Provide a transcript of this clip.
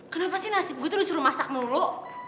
kenapa sih nasib gue tuh disuruh masak muluk